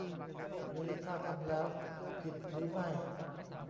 หรือถ้าทำแล้วผิดหรือไม่